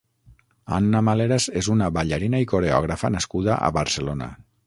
Anna Maleras és una ballarina i coreògrafa nascuda a Barcelona.